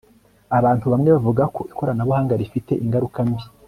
Abantu bamwe bavuga ko ikoranabuhanga rifite ingaruka mbi